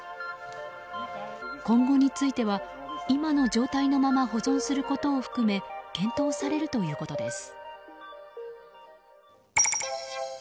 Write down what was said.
今後については、今の状態のまま保存することを含め検討されるということです。